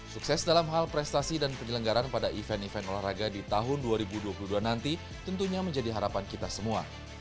sukses dalam hal prestasi dan penyelenggaran pada event event olahraga di tahun dua ribu dua puluh dua nanti tentunya menjadi harapan kita semua